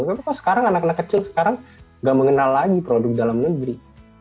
kenapa sekarang anak anak kecil sekarang nggak mengenal lagi produk dalam negeri